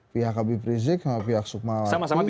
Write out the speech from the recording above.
pihak kb prizik sama pihak sukmalaku